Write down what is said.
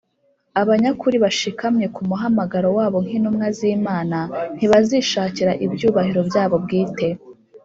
Abanyakuri bashikamye ku muhamagaro wabo nk’intumwa z’Imana ntibazishakira ibyubahiro byabo bwite